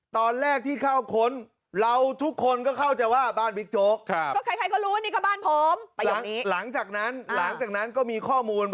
ตอนแรกที่เข้าค้นเราทุกคนก็เข้าใจว่าบ้านบิ๊กโจ๊ก